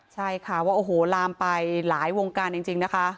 ใช่ค่ะว่าโอ้โหลามไปหลายวงการจริงนะคะ